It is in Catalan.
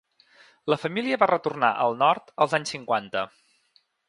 La família va retornar al nord als anys cinquanta.